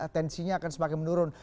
tensinya akan semakin menurun